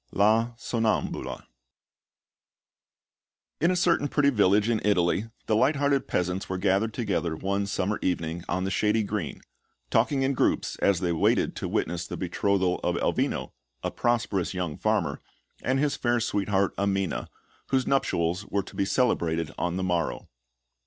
LA SONNAMBULA In a certain pretty village in Italy, the light hearted peasants were gathered together one summer evening on the shady green, talking in groups as they waited to witness the betrothal of Elvino, a prosperous young farmer, and his fair sweetheart, Amina, whose nuptials were to be celebrated on the morrow.